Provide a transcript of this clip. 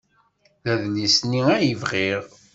D adlis-nni ay bɣiɣ.